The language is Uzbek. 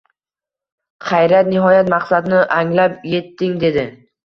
— Xayriyat, nihoyat maqsadni anglab yetding, — dedi